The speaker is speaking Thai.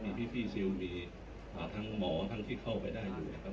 มีพี่ซิลมีทั้งหมอทั้งที่เข้าไปได้อยู่นะครับ